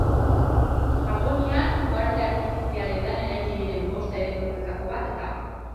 Japonian uharte artifizialetan eraiki diren bost aireportuetako bat da.